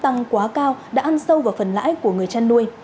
tăng quá cao đã ăn sâu vào phần lãi của người chăn nuôi